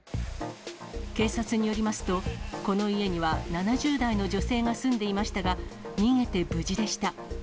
警察によりますと、この家には７０代の女性が住んでいましたが、逃げて無事でした。